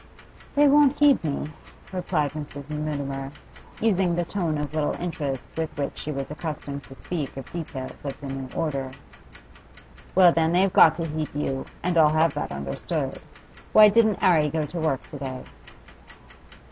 'They won't heed me,' replied Mrs. Mutimer, using the tone of little interest with which she was accustomed to speak of details of the new order. 'Well, then, they've got to heed you, and I'll have that understood. Why didn't 'Arry go to work to day?